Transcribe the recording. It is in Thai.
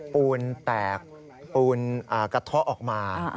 ปูนแตกปูนกระเทาะออกมา